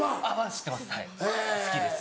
知ってます